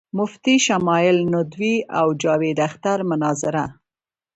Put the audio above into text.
مفتی شمائل ندوي او جاوید اختر مناظره